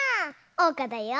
おうかだよ。